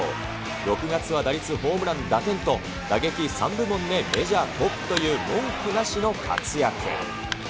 ６月は打率、ホームラン、打点と、打撃３部門でメジャートップという、文句なしの活躍。